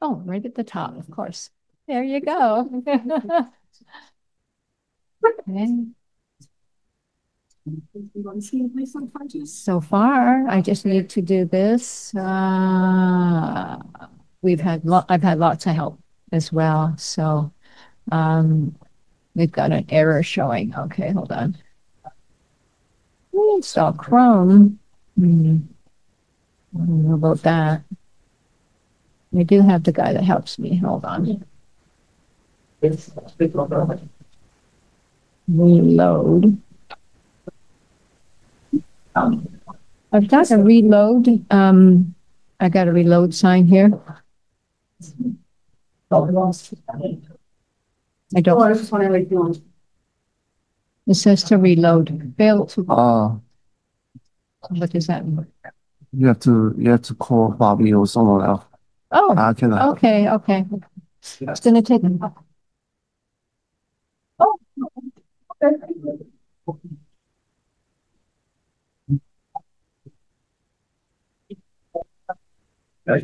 Right at the top, of course. There you go. Okay. Do you want to see your place of consciousness? I just need to do this. I've had lots of help as well. We've got an error showing. Okay, hold on. Stop Chrome. I don't know about that. I do have the guy that helps me. Hold on. Reload. I've got to reload. I got a reload sign here. I just want to let you know. It says to reload. Failed to. Oh. What does that mean? You have to call Bobby or someone else. Oh, okay. It's going to take me. Is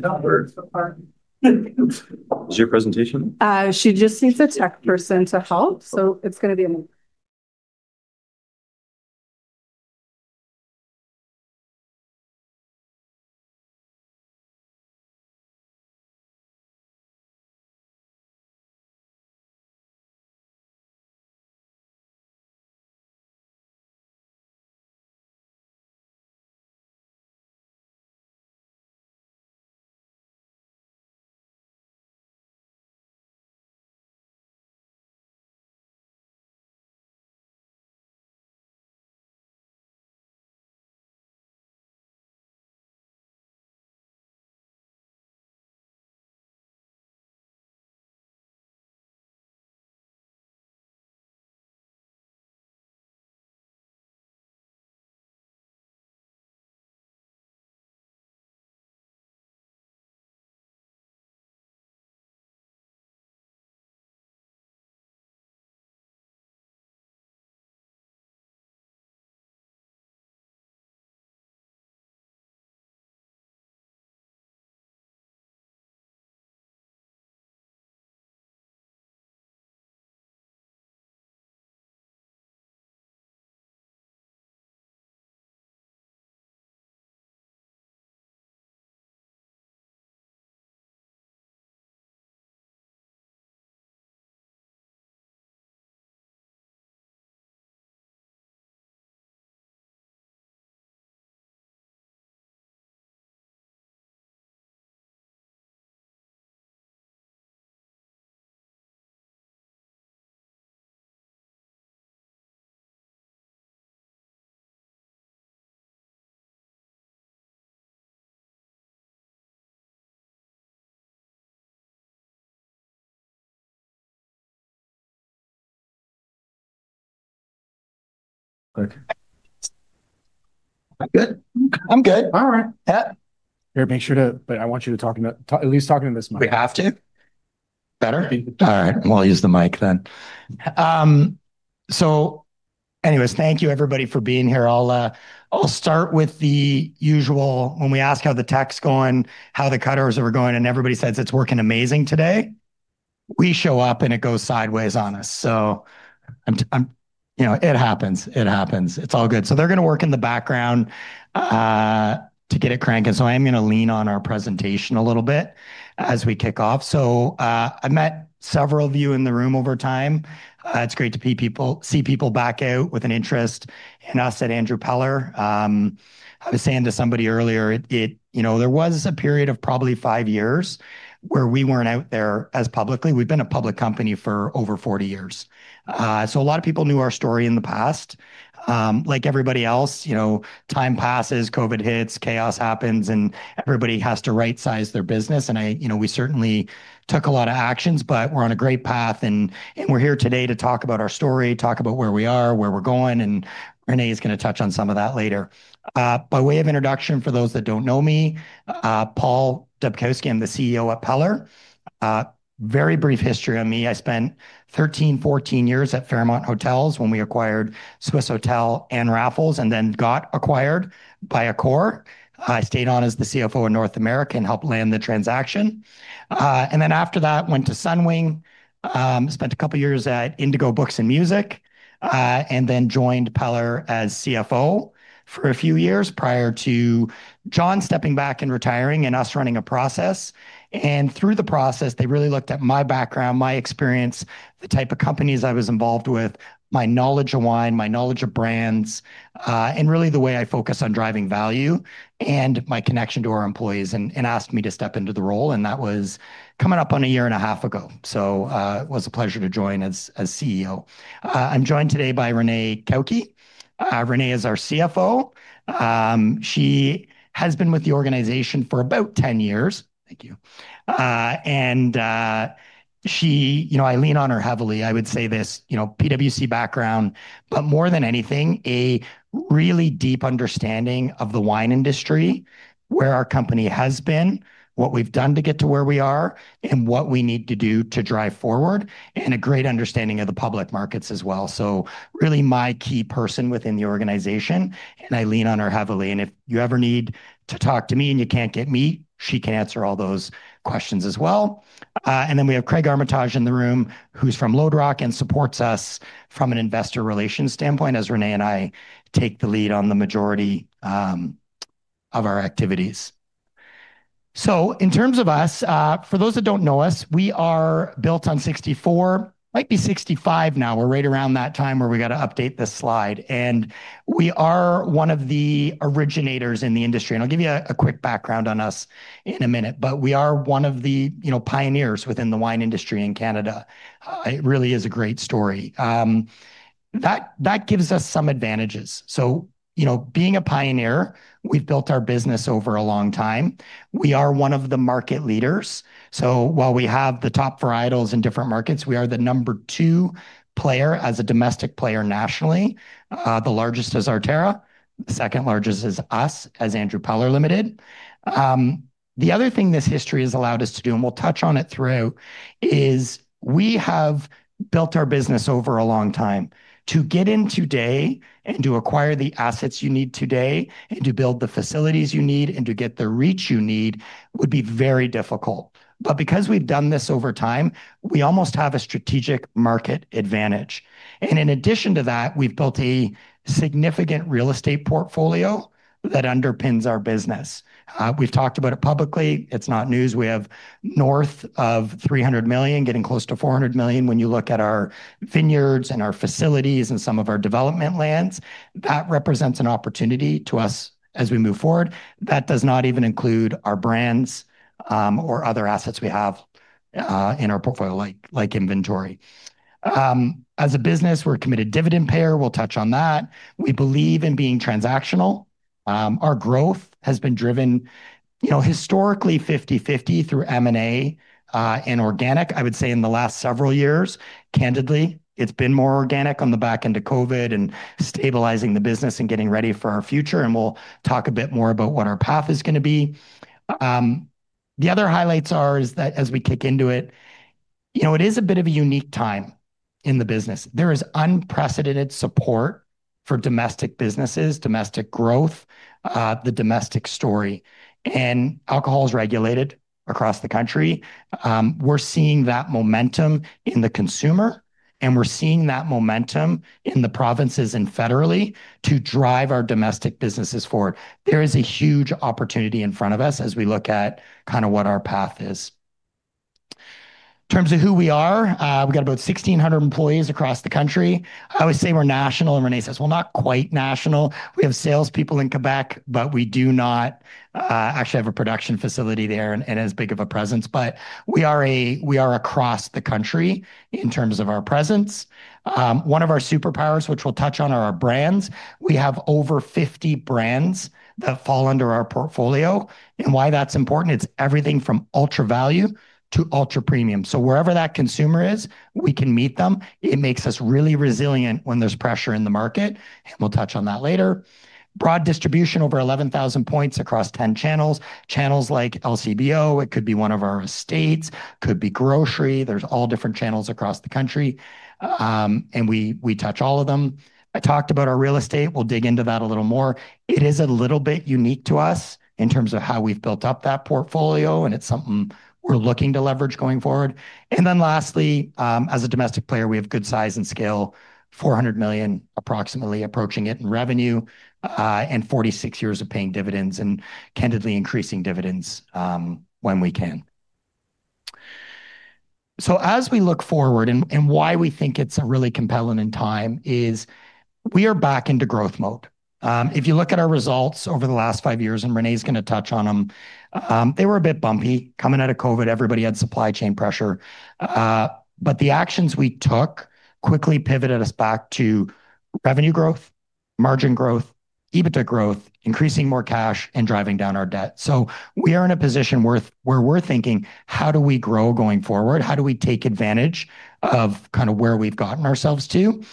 this your presentation? She just needs a tech person to help, so it's going to be a moment. Okay. I'm good. I'm good. All right. Yeah. Make sure to talk into this mic. We have to be better. All right. I'll use the mic then. Thank you everybody for being here. I'll start with the usual. When we ask how the tech's going, how the cutters are going, and everybody says it's working amazing today, we show up and it goes sideways on us. It happens. It's all good. They're going to work in the background to get it cranking. I am going to lean on our presentation a little bit as we kick off. I met several of you in the room over time. It's great to see people back out with an interest in us at Andrew Peller. I was saying to somebody earlier, there was a period of probably five years where we weren't out there as publicly. We've been a public company for over 40 years. A lot of people knew our story in the past. Like everybody else, time passes, COVID hits, chaos happens, and everybody has to right-size their business. We certainly took a lot of actions, but we're on a great path. We're here today to talk about our story, talk about where we are, where we're going. Renee is going to touch on some of that later. By way of introduction for those that don't know me, Paul Dubkowski, I'm the CEO at Peller. Very brief history on me. I spent 13, 14 years at Fairmont Hotels when we acquired Swissôtel and Raffles and then got acquired by Accor. I stayed on as the CFO in North America and helped land the transaction. After that, I went to Sunwing, spent a couple of years at Indigo Books and Music, and then joined Peller as CFO for a few years prior to John stepping back and retiring and us running a process. Through the process, they really looked at my background, my experience, the type of companies I was involved with, my knowledge of wine, my knowledge of brands, and really the way I focus on driving value and my connection to our employees and asked me to step into the role. That was coming up on a year and a half ago. It was a pleasure to join as CEO. I'm joined today by Renée Cauchi. Renee is our CFO. She has been with the organization for about 10 years. Thank you. I lean on her heavily. I would say this, PwC background, but more than anything, a really deep understanding of the wine industry, where our company has been, what we've done to get to where we are, and what we need to do to drive forward, and a great understanding of the public markets as well. Really, my key person within the organization, and I lean on her heavily. If you ever need to talk to me and you can't get me, she can answer all those questions as well. We have Craig Armitage in the room, who's from Loderock and supports us from an investor relations standpoint as Renee and I take the lead on the majority of our activities. In terms of us, for those that don't know us, we are built on '64, might be '65 now. We're right around that time where we got to update this slide. We are one of the originators in the industry. I'll give you a quick background on us in a minute, but we are one of the pioneers within the wine industry in Canada. It really is a great story. That gives us some advantages. Being a pioneer, we've built our business over a long time. We are one of the market leaders. While we have the top varietals in different markets, we are the number two player as a domestic player nationally. The largest is Arterra, the second largest is us as Andrew Peller Limited. The other thing this history has allowed us to do, and we'll touch on it through, is we have built our business over a long time. To get in today and to acquire the assets you need today and to build the facilities you need and to get the reach you need would be very difficult. Because we've done this over time, we almost have a strategic market advantage. In addition to that, we've built a significant real estate portfolio that underpins our business. We've talked about it publicly. It's not news. We have north of $300 million, getting close to $400 million when you look at our vineyards and our facilities and some of our development lands. That represents an opportunity to us as we move forward. That does not even include our brands or other assets we have in our portfolio, like inventory. As a business, we're a committed dividend payer. We'll touch on that. We believe in being transactional. Our growth has been driven, historically 50/50 through M&A and organic. I would say in the last several years, candidly, it's been more organic on the back end of COVID and stabilizing the business and getting ready for our future. We'll talk a bit more about what our path is going to be. The other highlights are that as we kick into it, it is a bit of a unique time in the business. There is unprecedented support for domestic businesses, domestic growth, the domestic story. Alcohol is regulated across the country. We're seeing that momentum in the consumer, and we're seeing that momentum in the provinces and federally to drive our domestic businesses forward. There is a huge opportunity in front of us as we look at kind of what our path is. In terms of who we are, we've got about 1,600 employees across the country. I always say we're national, and Renee says, not quite national. We have salespeople in Quebec, but we do not actually have a production facility there and as big of a presence. We are across the country in terms of our presence. One of our superpowers, which we'll touch on, are our brands. We have over 50 brands that fall under our portfolio. Why that's important, it's everything from ultra value to ultra premium. Wherever that consumer is, we can meet them. It makes us really resilient when there's pressure in the market. We'll touch on that later. Broad distribution over 11,000 points across 10 channels. Channels like LCBO, it could be one of our estates, could be grocery. There are all different channels across the country. We touch all of them. I talked about our real estate. We'll dig into that a little more. It is a little bit unique class to us in terms of how we've built up that portfolio, and it's something we're looking to leverage going forward. Lastly, as a domestic player, we have good size and scale, approximately $400 million approaching it in revenue, and 46 years of paying dividends and candidly increasing dividends when we can. As we look forward and why we think it's really compelling in time is we are back into growth mode. If you look at our results over the last five years, and Renee's going to touch on them, they were a bit bumpy. Coming out of COVID, everybody had supply chain pressure. The actions we took quickly pivoted us back to revenue growth, margin growth, EBITDA growth, increasing more cash, and driving down our debt. We are in a position where we're thinking, how do we grow going forward? How do we take advantage of kind of where we've gotten ourselves to?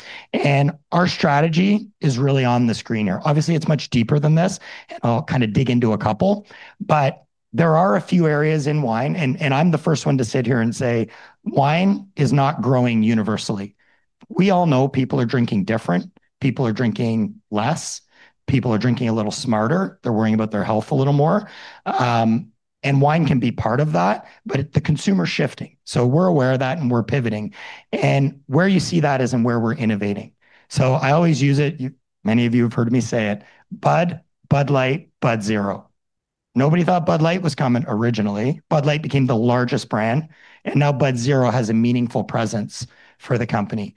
Our strategy is really on the screen here. Obviously, it's much deeper than this, and I'll kind of dig into a couple. There are a few areas in wine, and I'm the first one to sit here and say wine is not growing universally. We all know people are drinking different. People are drinking less. People are drinking a little smarter. They're worrying about their health a little more. Wine can be part of that, but the consumer is shifting. We are aware of that, and we are pivoting. Where you see that is where we are innovating. I always use it. Many of you have heard me say it. Bud, Bud Light, Bud Zero. Nobody thought Bud Light was coming originally. Bud Light became the largest brand, and now Bud Zero has a meaningful presence for the company.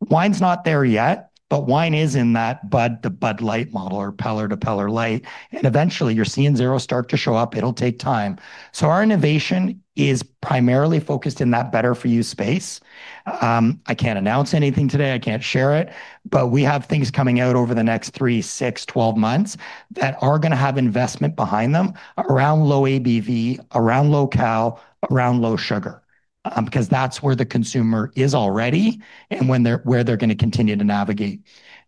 Wine is not there yet, but wine is in that Bud to Bud Light model or Peller to Peller Light. Eventually, you are seeing Zero start to show up. It will take time. Our innovation is primarily focused in that better-for-you space. I cannot announce anything today. I cannot share it. We have things coming out over the next 3, 6, 12 months that are going to have investment behind them around low ABV, around low cal, around low sugar, because that is where the consumer is already and where they are going to continue to navigate.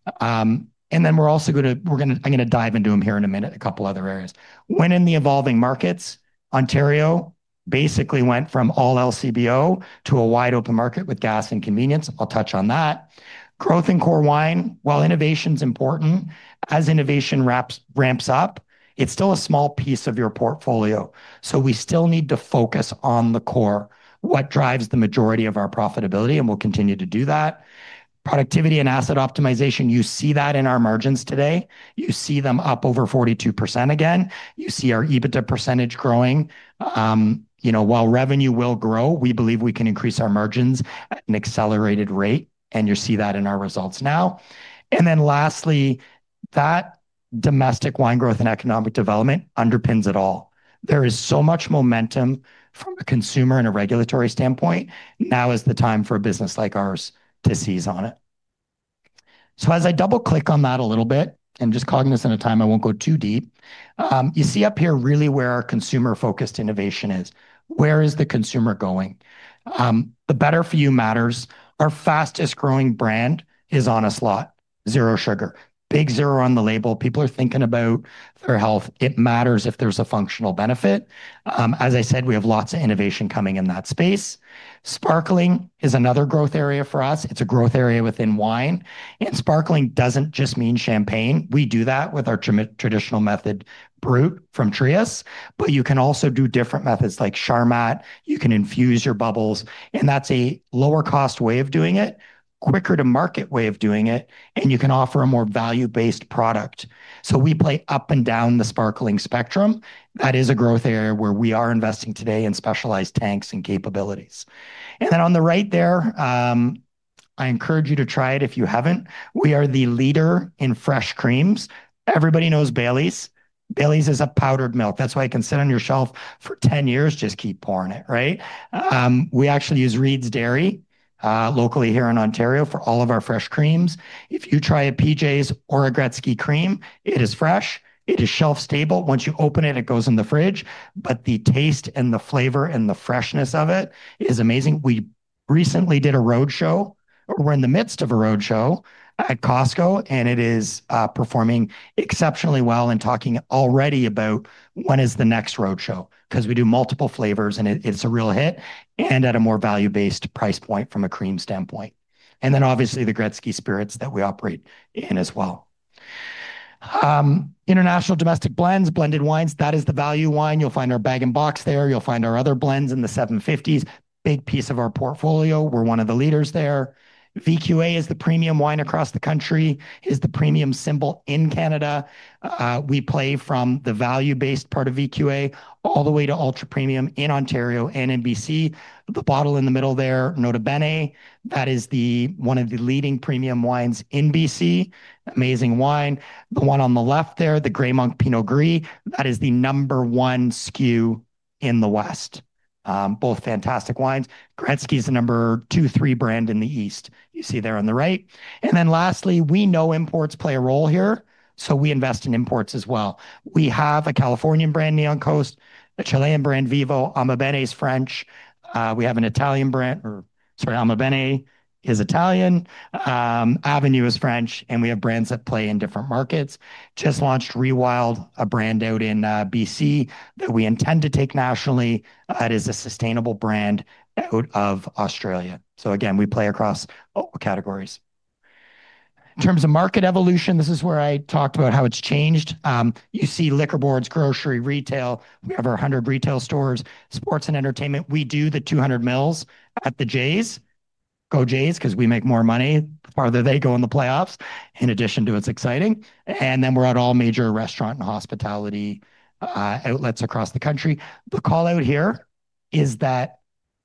We are also going to, I am going to dive into them here in a minute, a couple other areas. In the evolving markets, Ontario basically went from all LCBO to a wide open market with gas and convenience. I will touch on that. Growth in core wine, while innovation is important, as innovation ramps up, it is still a small piece of your portfolio. We still need to focus on the core, what drives the majority of our profitability, and we will continue to do that. Productivity and asset optimization, you see that in our margins today. You see them up over 42% again. You see our EBITDA percentage growing. While revenue will grow, we believe we can increase our margins at an accelerated rate, and you see that in our results now. Lastly, that domestic wine growth and economic development underpins it all. There is so much momentum from a consumer and a regulatory standpoint. Now is the time for a business like ours to seize on it. As I double-click on that a little bit, and just cognizant of time, I will not go too deep, you see up here really where our consumer-focused innovation is. Where is the consumer going? The better-for-you matters. Our fastest growing brand is on a slot, Zero Sugar. Big Zero on the label. People are thinking about their health. It matters if there is a functional benefit. As I said, we have lots of innovation coming in that space. Sparkling is another growth area for us. It is a growth area within wine. Sparkling does not just mean champagne. We do that with our traditional method, Brut from Trius. You can also do different methods like Charmat. You can infuse your bubbles, and that's a lower-cost way of doing it, a quicker-to-market way of doing it, and you can offer a more value-based product. We play up and down the sparkling spectrum. That is a growth area where we are investing today in specialized tanks and capabilities. On the right there, I encourage you to try it if you haven't. We are the leader in fresh cream liqueurs. Everybody knows Baileys. Baileys is a powdered milk. That's why it can sit on your shelf for 10 years. Just keep pouring it, right? We actually use Reed's Dairy locally here in Ontario for all of our fresh cream liqueurs. If you try a PJ's or a Wayne Gretzky cream, it is fresh. It is shelf stable. Once you open it, it goes in the fridge. The taste and the flavor and the freshness of it is amazing. We recently did a roadshow. We're in the midst of a roadshow at Costco, and it is performing exceptionally well and talking already about when is the next roadshow because we do multiple flavors, and it's a real hit and at a more value-based price point from a cream standpoint. Obviously, the Wayne Gretzky spirits that we operate in as well. International domestic blends, blended wines, that is the value wine. You'll find our bag-in-box there. You'll find our other blends in the 750s. Big piece of our portfolio. We're one of the leaders there. VQA is the premium wine across the country. It is the premium symbol in Canada. We play from the value-based part of VQA all the way to ultra-premium in Ontario and in BC. The bottle in the middle there, Nota Bene, that is one of the leading premium wines in BC. Amazing wine. The one on the left there, the Gray Monk Pinot Gris, that is the number one SKU in the West. Both fantastic wines. Wayne Gretzky is the number two-three brand in the East, you see there on the right. Lastly, we know imports play a role here, so we invest in imports as well. We have a Californian brand, Neon Coast, a Chilean brand, Vivo. AmaBene is Italian. Avenue is French, and we have brands that play in different markets. Just launched Rewild, a brand out in BC that we intend to take nationally. It is a sustainable brand out of Australia. We play across categories. In terms of market evolution, this is where I talked about how it's changed. You see liquor boards, grocery, retail. We have our 100 retail stores, sports, and entertainment. We do the 200 mLs at the Jays. Go Jays because we make more money the farther they go in the playoffs, in addition to what's exciting. We're at all major restaurant and hospitality outlets across the country. The call out here is that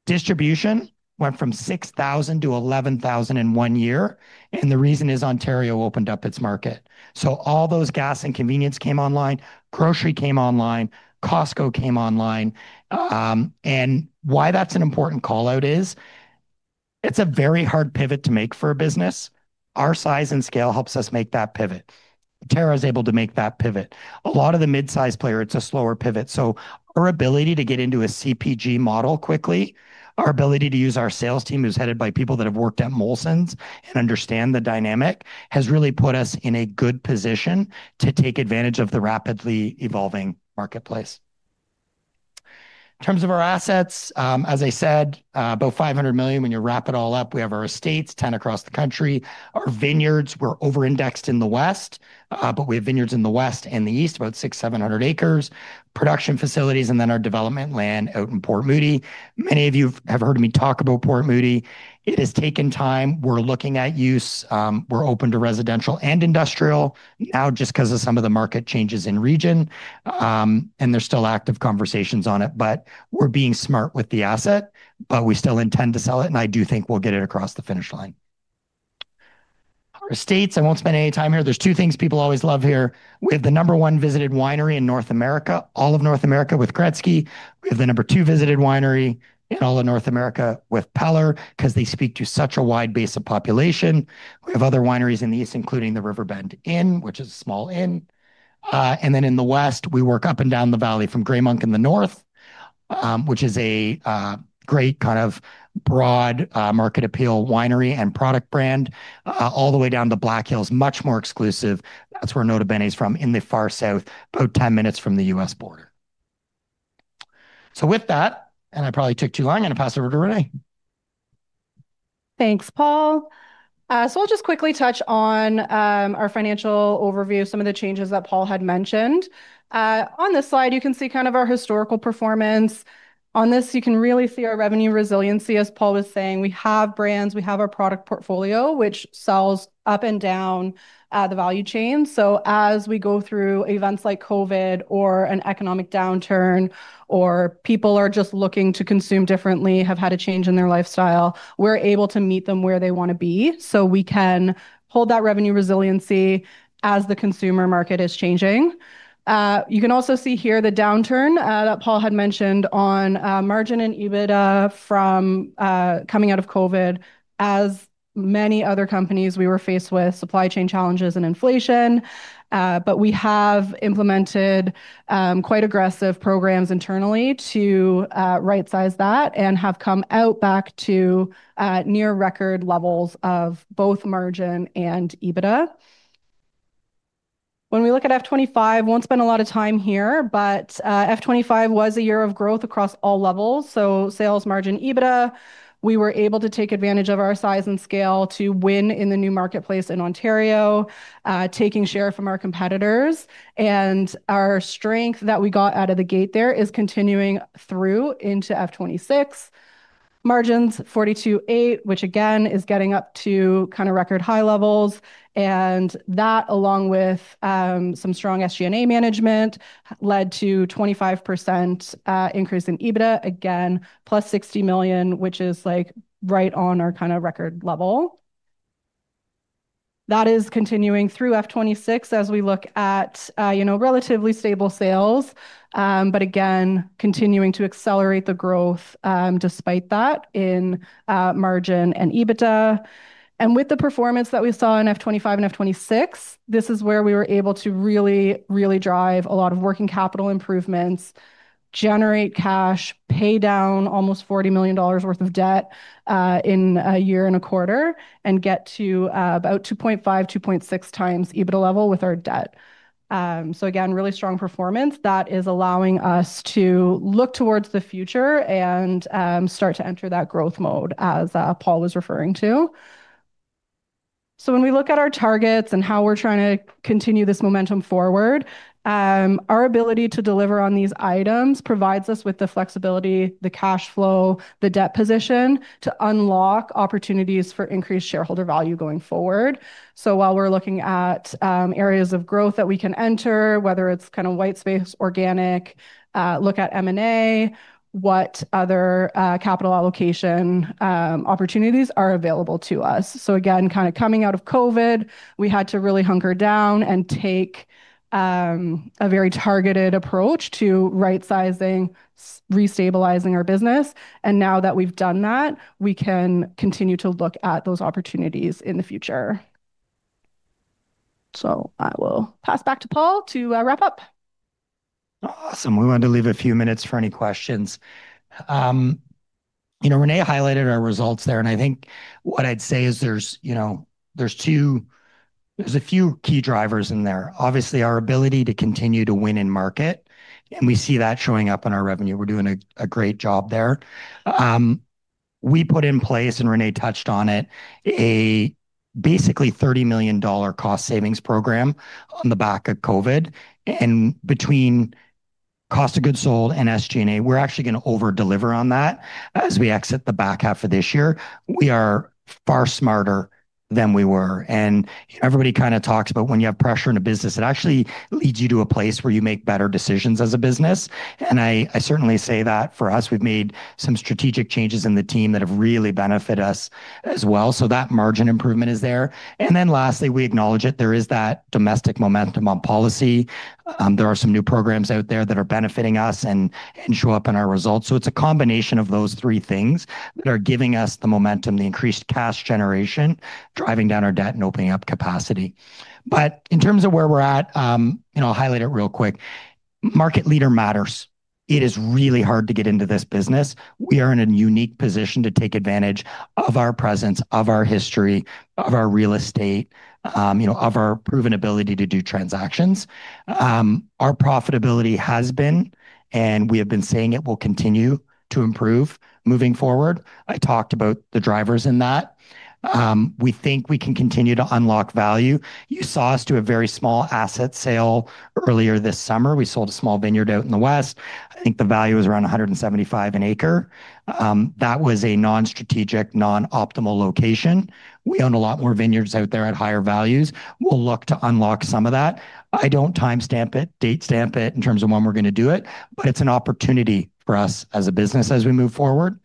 distribution went from 6,000 to 11,000 in one year, and the reason is Ontario opened up its market. All those gas and convenience came online, grocery came online, Costco came online. That's an important call out because it's a very hard pivot to make for a business. Our size and scale help us make that pivot. Arterra is able to make that pivot. A lot of the mid-size players, it's a slower pivot. Our ability to get into a CPG model quickly, our ability to use our sales team, who's headed by people that have worked at Molson and understand the dynamic, has really put us in a good position to take advantage of the rapidly evolving marketplace. In terms of our assets, as I said, about $500 million when you wrap it all up. We have our estates, 10 across the country, our vineyards. We're over-indexed in the West, but we have vineyards in the West and the East, about 600, 700 acres, production facilities, and then our development land out in Port Moody. Many of you have heard me talk about Port Moody. It has taken time. We're looking at use. We're open to residential and industrial now just because of some of the market changes in region, and there's still active conversations on it. We're being smart with the asset, but we still intend to sell it, and I do think we'll get it across the finish line. Our estates, I won't spend any time here. There are two things people always love here. We have the number one visited winery in North America, all of North America, with Wayne Gretzky. We have the number two visited winery in all of North America with Peller Estates because they speak to such a wide base of population. We have other wineries in the East, including the Riverbend Inn, which is a small inn. In the West, we work up and down the valley from Gray Monk in the North, which is a great kind of broad market appeal winery and product brand, all the way down to Black Hills, much more exclusive. That's where Nota Bene is from in the far South, about 10 minutes from the U.S. border. With that, and I probably took too long, I'm going to pass it over to Renee. Thanks, Paul. I'll just quickly touch on our financial overview, some of the changes that Paul had mentioned. On this slide, you can see kind of our historical performance. On this, you can really see our revenue resiliency. As Paul was saying, we have brands, we have our product portfolio, which sells up and down the value chain. As we go through events like COVID or an economic downturn, or people are just looking to consume differently, have had a change in their lifestyle, we're able to meet them where they want to be. We can hold that revenue resiliency as the consumer market is changing. You can also see here the downturn that Paul had mentioned on margin and EBITDA from coming out of COVID. As many other companies, we were faced with supply chain challenges and inflation, but we have implemented quite aggressive programs internally to right-size that and have come out back to near record levels of both margin and EBITDA. When we look at F 2025, we won't spend a lot of time here, but F 2025 was a year of growth across all levels. Sales, margin, EBITDA, we were able to take advantage of our size and scale to win in the new marketplace in Ontario, taking share from our competitors. Our strength that we got out of the gate there is continuing through into F 2026. Margins, 42.8%, which again is getting up to kind of record high levels. That, along with some strong SG&A management, led to a 25% increase in EBITDA, again, +$60 million, which is right on our kind of record level. That is continuing through F 2026 as we look at relatively stable sales, but again, continuing to accelerate the growth despite that in margin and EBITDA. With the performance that we saw in F 2025 and F 2026, this is where we were able to really, really drive a lot of working capital improvements, generate cash, pay down almost $40 million worth of debt in a year and a quarter, and get to about 2.5, 2.6x EBITDA level with our debt. Really strong performance that is allowing us to look towards the future and start to enter that growth mode, as Paul was referring to. When we look at our targets and how we're trying to continue this momentum forward, our ability to deliver on these items provides us with the flexibility, the cash flow, the debt position to unlock opportunities for increased shareholder value going forward. While we're looking at areas of growth that we can enter, whether it's kind of white space, organic, look at M&A, what other capital allocation opportunities are available to us. Again, coming out of COVID, we had to really hunker down and take a very targeted approach to right-sizing, restabilizing our business. Now that we've done that, we can continue to look at those opportunities in the future. I will pass back to Paul to wrap up. Awesome. We wanted to leave a few minutes for any questions. Renee highlighted our results there, and I think what I'd say is there's two, there's a few key drivers in there. Obviously, our ability to continue to win in market, and we see that showing up in our revenue. We're doing a great job there. We put in place, and Renee touched on it, a basically $30 million cost savings program on the back of COVID. Between cost of goods sold and SG&A, we're actually going to over-deliver on that as we exit the back half of this year. We are far smarter than we were. Everybody kind of talks about when you have pressure in a business, it actually leads you to a place where you make better decisions as a business. I certainly say that for us, we've made some strategic changes in the team that have really benefited us as well. That margin improvement is there. Lastly, we acknowledge that there is that domestic momentum on policy. There are some new programs out there that are benefiting us and show up in our results. It's a combination of those three things that are giving us the momentum, the increased cash generation, driving down our debt, and opening up capacity. In terms of where we're at, I'll highlight it real quick. Market leader matters. It is really hard to get into this business. We are in a unique position to take advantage of our presence, of our history, of our real estate, of our proven ability to do transactions. Our profitability has been, and we have been saying it will continue to improve moving forward. I talked about the drivers in that. We think we can continue to unlock value. You saw us do a very small asset sale earlier this summer. We sold a small vineyard out in the West. I think the value was around $175,000 an acre. That was a non-strategic, non-optimal location. We own a lot more vineyards out there at higher values. We'll look to unlock some of that. I don't timestamp it, date stamp it in terms of when we're going to do it, but it's an opportunity for us as a business as we move forward.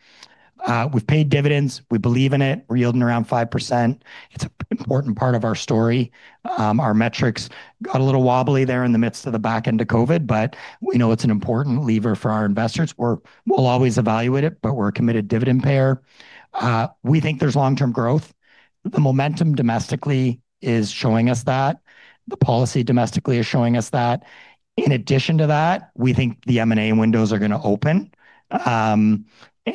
We've paid dividends. We believe in it. We're yielding around 5%. It's an important part of our story. Our metrics got a little wobbly there in the midst of the back end of COVID, but we know it's an important lever for our investors. We'll always evaluate it, but we're a committed dividend payer. We think there's long-term growth. The momentum domestically is showing us that. The policy domestically is showing us that. In addition to that, we think the M&A windows are going to open. We're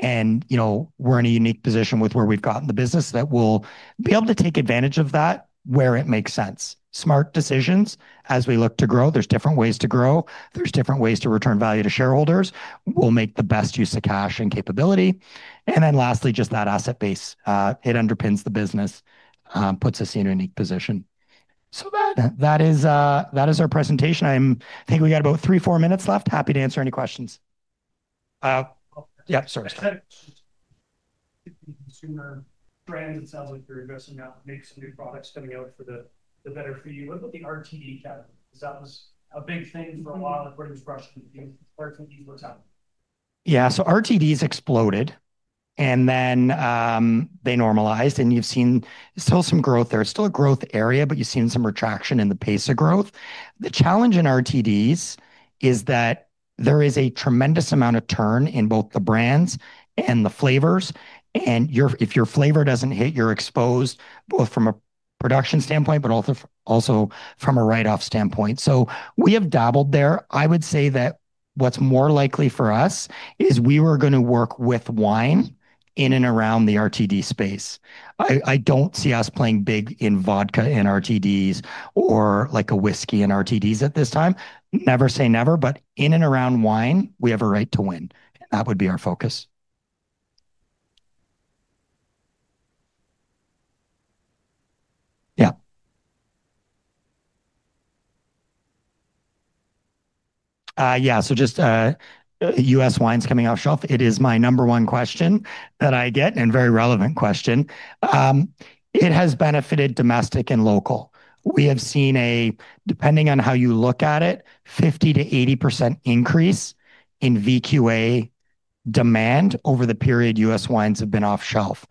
in a unique position with where we've gotten the business that we'll be able to take advantage of that where it makes sense. Smart decisions as we look to grow. There's different ways to grow, different ways to return value to shareholders. We'll make the best use of cash and capability. Lastly, just that asset base. It underpins the business, puts us in a unique position. That is our presentation. I think we got about three, four minutes left. Happy to answer any questions. Yeah, sorry. I had a question. Consumer brands, it sounds like you're addressing that, make some new products coming out for the better-for-you. What about the RTD category? Because that was a big thing for a while before they just rushed into the RTDs hotel. Yeah, so RTDs exploded and then they normalized and you've seen still some growth there. It's still a growth area, but you've seen some retraction in the pace of growth. The challenge in RTDs is that there is a tremendous amount of turn in both the brands and the flavors. If your flavor doesn't hit, you're exposed both from a production standpoint, but also from a write-off standpoint. We have dabbled there. I would say that what's more likely for us is we are going to work with wine in and around the RTD space. I don't see us playing big in vodka in RTDs or like a whiskey in RTDs at this time. Never say never, but in and around wine, we have a right to win. That would be our focus. Yeah, just U.S. wines coming off shelf. It is my number one question that I get and a very relevant question. It has benefited domestic and local. We have seen, depending on how you look at it, a 50%-80% increase in VQA demand over the period U.S. wines have been off shelf.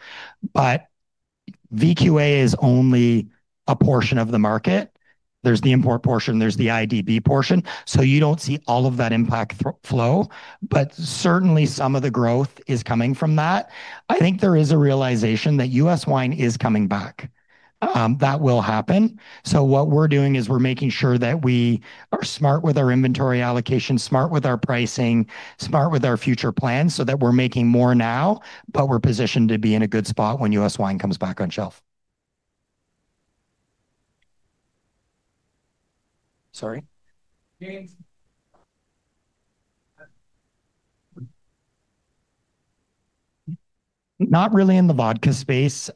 VQA is only a portion of the market. There's the import portion, there's the IDB portion. You don't see all of that impact flow, but certainly some of the growth is coming from that. I think there is a realization that U.S. wine is coming back. That will happen. We are making sure that we are smart with our inventory allocation, smart with our pricing, smart with our future plans so that we're making more now, but we're positioned to be in a good spot when U.S. wine comes back on shelf. Not really in the vodka space.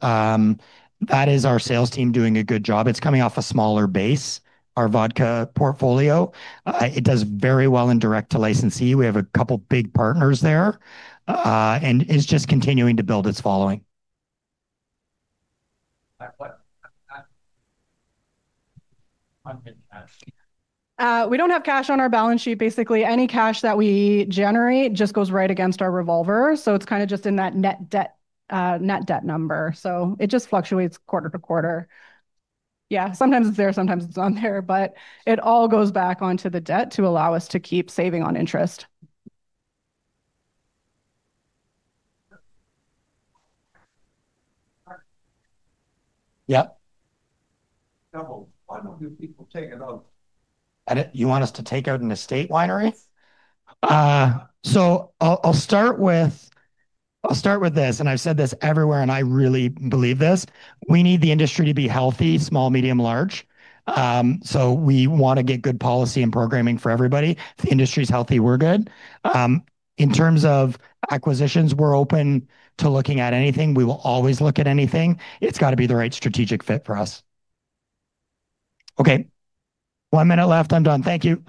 That is our sales team doing a good job. It's coming off a smaller base, our vodka portfolio. It does very well in direct to licensee. We have a couple of big partners there, and it's just continuing to build its following. We don't have cash on our balance sheet. Basically, any cash that we generate just goes right against our revolver. It's kind of just in that net debt number. It fluctuates quarter to quarter. Sometimes it's there, sometimes it's not there, but it all goes back onto the debt to allow us to keep saving on interest. Yeah. Why don't you people take it out? You want us to take out an estate winery? I'll start with this, and I've said this everywhere, and I really believe this. We need the industry to be healthy, small, medium, large. We want to get good policy and programming for everybody. If the industry's healthy, we're good. In terms of acquisitions, we're open to looking at anything. We will always look at anything. It's got to be the right strategic fit for us. One minute left. I'm done. Thank you.